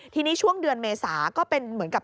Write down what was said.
ทีนี้ช่วงเดือนเมษาก็เป็นเหมือนกับ